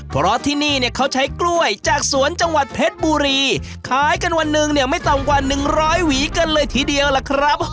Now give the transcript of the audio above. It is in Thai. เพราะที่นี่เนี่ยเขาใช้กล้วยจากสวนจังหวัดเพชรบุรีขายกันวันหนึ่งเนี่ยไม่ต่ำกว่าหนึ่งร้อยหวีกันเลยทีเดียวล่ะครับ